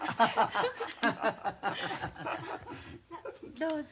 どうぞ。